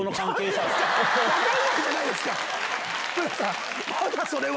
分かんないじゃないですかまだそれは。